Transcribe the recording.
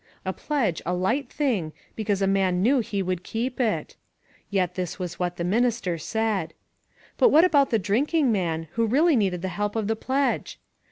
A pledge a light thing, because a man knew he would keep it! Yet this was what the minister said. But what about the drinking man, who really needed the help of the pledge?